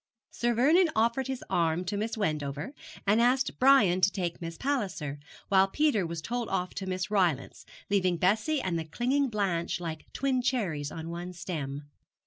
Sir Vernon offered his arm to Miss Wendover, and asked Brian to take Miss Palliser, while Peter was told off to Miss Rylance, leaving Bessie and the clinging Blanche like twin cherries on one stem.